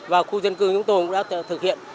và khu dân cư chúng tôi cũng đã thực hiện